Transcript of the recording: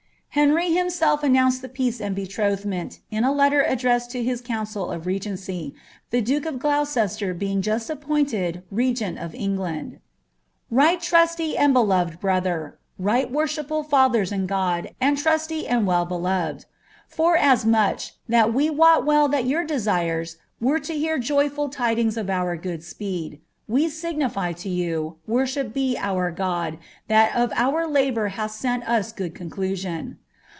Henry himself announced the pe&re and betrnlhmeni, in a letter' addressed to his council of regency, the duke of Gloucester being juet appointed regent of England :— Right UUII7, and well belorod brother. RLglit worsliipriil fathers in God, tnd irutiy and well beloved. Forasmuch, tbat we wot well ibu your dHirei were to iieat joyful tidings of our good apeed ;— We sieniiy lo you, (wonhippod be our Loril, tlini of our tsliour bnili sent us eood conclusion.)